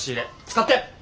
使って！